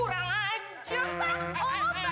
saya tidak kena